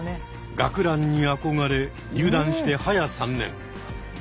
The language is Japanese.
学ランに憧れ入団してはや３年。